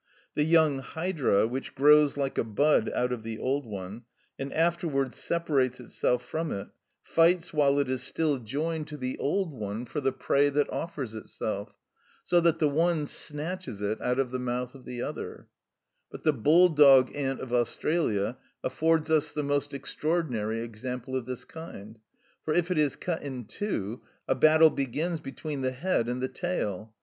The young hydra, which grows like a bud out of the old one, and afterwards separates itself from it, fights while it is still joined to the old one for the prey that offers itself, so that the one snatches it out of the mouth of the other (Trembley, Polypod., ii. p. 110, and iii. p. 165). But the bulldog ant of Australia affords us the most extraordinary example of this kind; for if it is cut in two, a battle begins between the head and the tail.